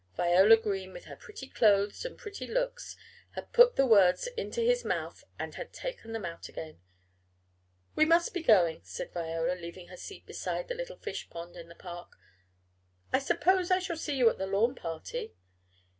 Viola Green with her pretty clothes and pretty looks had "put the words into his mouth and had taken them out again!" "We must be going!" said Viola, leaving her seat beside the little fish pond in the park. "I suppose I shall see you at the lawn party?"